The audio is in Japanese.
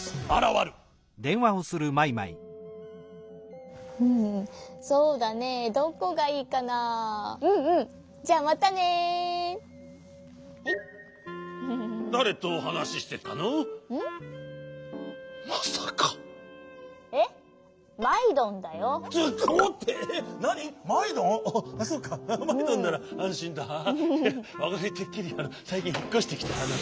わがはいてっきりさいきんひっこしてきたイケメンの。